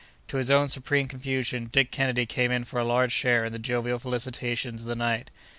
To his own supreme confusion, Dick Kennedy came in for a large share in the jovial felicitations of the night.